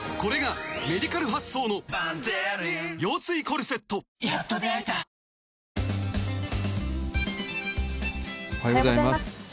ついに、おはようございます。